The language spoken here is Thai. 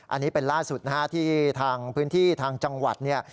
อันนี้เป็นล่าสุดนะฮะที่ทางพื้นที่ทางจังหวัดเนี่ย